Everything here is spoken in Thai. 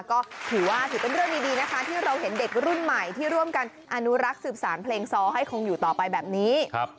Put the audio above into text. ก็ถือว่าถือเป็นเรื่องดีนะคะที่เราเห็นเด็กรุ่นใหม่ที่ร่วมกันอนุรักษ์สืบสารเพลงซ้อให้คงอยู่ต่อไปแบบนี้